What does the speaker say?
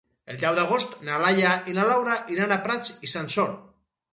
El deu d'agost na Laia i na Laura iran a Prats i Sansor.